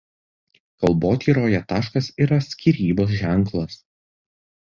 Kalbotyroje taškas yra skyrybos ženklas.